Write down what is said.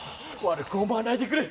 悪く思わないでくれ！